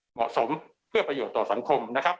เหมาะสมเพื่อประโยชน์ต่อสังคมนะครับ